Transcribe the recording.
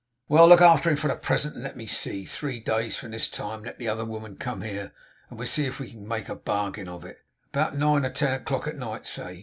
'Well! Look after him for the present, and let me see three days from this time let the other woman come here, and we'll see if we can make a bargain of it. About nine or ten o'clock at night, say.